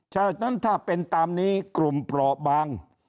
ฉะนั้นถ้าเป็นตามนี้กลุ่มเปราะบาง